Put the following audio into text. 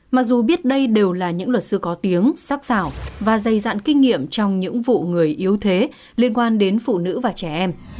mặc dù biết đây đều là những luật sư có tiếng sắc xảo và dây dạn kinh nghiệm trong những vụ người yếu thế liên quan đến phụ nữ và trẻ em